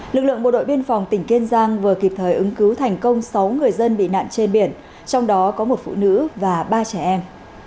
lực lượng bộ đội biên phòng tỉnh kiên giang vừa kịp thời ứng cứu thành công sáu người dân bị nạn trên biển trong đó có một phụ nữ và ba trẻ em